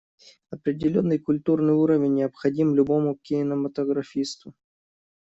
Определенный культурный уровень необходим любому кинематографисту.